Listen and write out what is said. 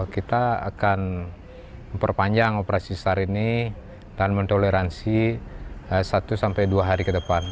kita akan memperpanjang operasi sar ini dan mentoleransi satu sampai dua hari ke depan